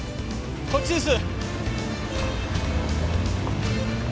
こっちです！